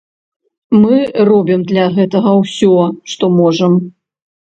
Мы робім для гэтага усё, што можам.